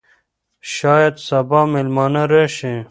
شاید سبا مېلمانه راشي.